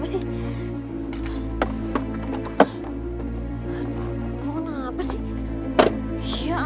buat memikir yg sama aja